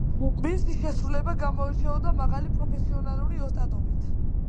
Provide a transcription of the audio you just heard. მისი შესრულება გამოირჩეოდა მაღალი პროფესიონალური ოსტატობით.